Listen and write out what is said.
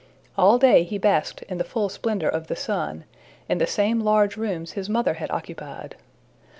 All day he basked in the full splendor of the sun, in the same large rooms his mother had occupied.